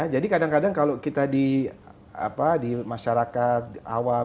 jadi kadang kadang kalau kita di masyarakat awam